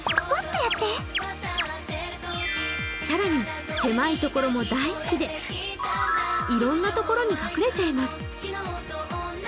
更に狭いところも大好きでいろんなところに隠れちゃいます。